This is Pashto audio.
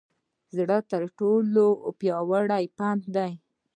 زړه تر ټولو پیاوړې پمپ دی.